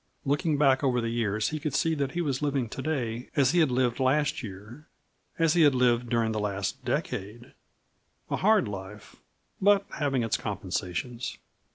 Looking back over the years he could see that he was living to day as he had lived last year, as he had lived during the last decade a hard life, but having its compensations.